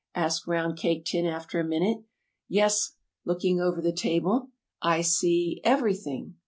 asked Round Cake Tin after a minute. "Yes," looking over the table, "I see everything.